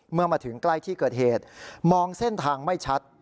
เมื่อมาถึงใกล้ที่เกิดเหตุมองเส้นทางไม่ชัด